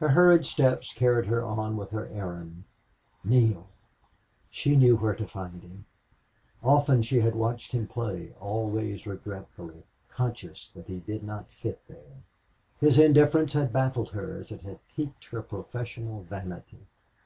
Her hurried steps carried her on with her errand. Neale! She knew where to find him. Often she had watched him play, always regretfully, conscious that he did not fit there. His indifference had baffled her as it had piqued her professional vanity.